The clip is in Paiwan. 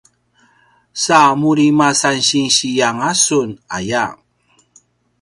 sa muri masan sinsi anga sun aya